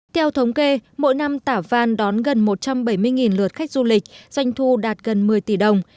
theo thống kê mỗi năm tả văn đón gần một trăm bảy mươi lượt khách du lịch doanh thu đạt gần một mươi tỷ đồng